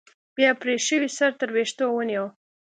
بيا يې پرې شوى سر تر ويښتو ونيو.